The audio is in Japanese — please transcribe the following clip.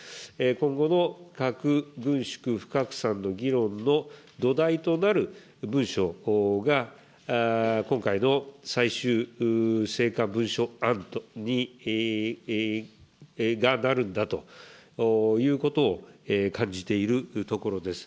今後の核軍縮不拡散の議論の土台となる文書が、今回の最終成果文書案がなるんだということを感じているところです。